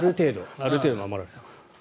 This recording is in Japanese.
ある程度守られないと。